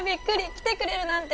来てくれるなんて！